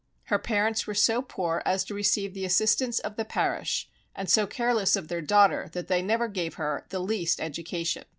Her parents were so poor as to receive the assistance of the parish and so careless of their daughter that they never gave her the least education.